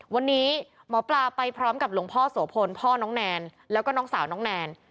วันนี้หมอปลาไปพร้อมกับหลวงพ่อโสพลพ่อน้องแนนแล้วก็น้องสาวน้องแนน